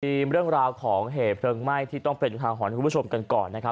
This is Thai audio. เรื่องราวของเหตุเพลิงไหม้ที่ต้องเป็นอุทาหรณ์คุณผู้ชมกันก่อนนะครับ